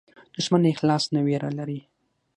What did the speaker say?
دښمن له اخلاص نه وېره لري